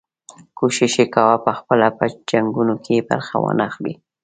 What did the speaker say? کوښښ یې کاوه پخپله په جنګونو کې برخه وانه خلي.